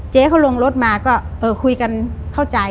เจ๊เขาลงรถมาก็คุยกันเข้าใจ